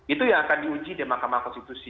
itu yang akan diujikan oleh mahkamah konstitusi